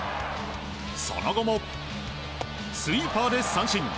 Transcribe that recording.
その後も、スイーパーで三振。